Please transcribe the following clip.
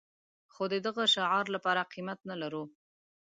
خو د دغه شعار لپاره قيمت نه لرو.